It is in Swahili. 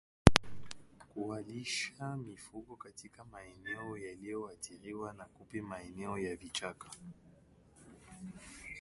Kuwalisha mifugo katika maeneo yaliyoathiriwa na kupe maeneo ya vichaka